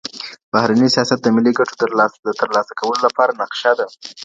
بهرنی سیاست د ملي ګټو د ترلاسه کولو لپاره نقشه ده.